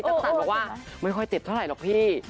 แจ๊กจันบอกว่าไม่ค่อยเจ็บเท่าหรอกพี่